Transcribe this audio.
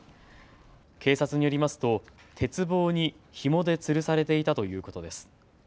警察によりますと鉄棒にひもでつるされていたということです。